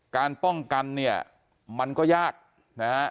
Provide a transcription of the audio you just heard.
การป้องกันเนี่ยมันก็ยากนะฮะ